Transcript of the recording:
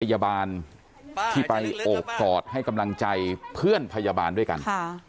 พยาบาลที่ไปโอบกอดให้กำลังใจเพื่อนพยาบาลด้วยกัน